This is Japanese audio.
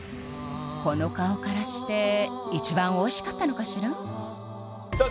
この顔からして一番おいしかったのかしらさあ